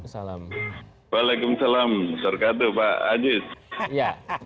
waalaikumsalam assalamualaikum pak aziz